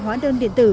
hóa đơn điện tử